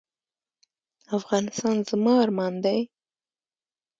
افغانستان زما ارمان دی؟